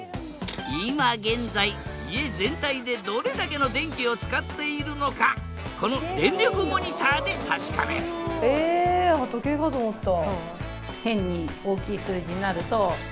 今現在家全体でどれだけの電気を使っているのかこの電力モニターで確かめるえ時計かと思った。